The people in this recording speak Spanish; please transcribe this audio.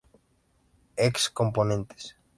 Ex Componentes